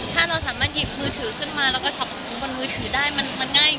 ถ้าเราสามารถหยิบมือถือขึ้นมาแล้วก็ช็อปบนมือถือได้มันง่าย